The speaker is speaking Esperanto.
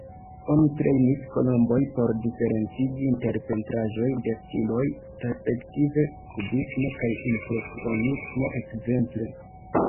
Oni trejnis kolomboj por diferencigi inter pentraĵoj de stiloj respektive kubismo kaj impresionismo ekzemple.